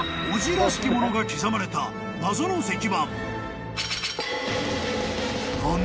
［文字らしきものが刻まれた謎の石板］